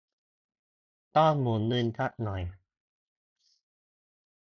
ต้องหมุนเงินสักหน่อย